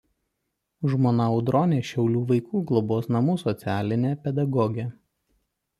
Žmona Audronė Šiaulių vaikų globos namų socialinė pedagogė.